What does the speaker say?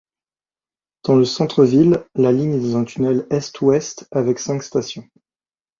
Dans le centre-ville, la ligne est dans un tunnel est-ouest, avec cinq stations.